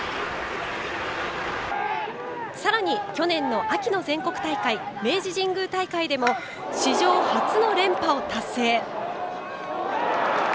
さらに、去年の秋の全国大会明治神宮大会でも史上初の連覇を達成。